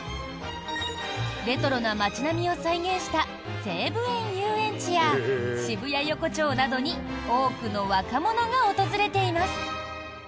レトロな街並みを再現した西武園ゆうえんちや渋谷横丁などに多くの若者が訪れています。